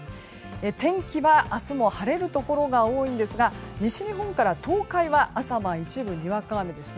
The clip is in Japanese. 天気は明日も晴れるところが多いんですが西日本から東海は朝晩、一部でにわか雨です。